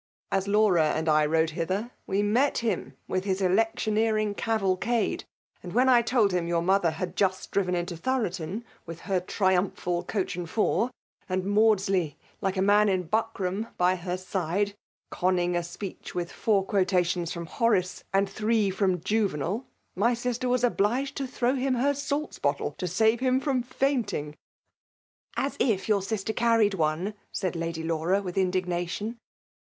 ^ As Laura and I xode hither, we met him with his electioneeiuig cavalcade ; and when I told him your mother had just driven into Thoroton with her tri* umphal coach and four, and Maudsley, like a man in buckram, by her side, conning a speech with four quotations from Horace, and tbree from Juvenal, my sister was obliged to throw him her salts*bottle, to save hini from faint ing. *' As if your sister carried one !exclaimed Lady Laura with indignation.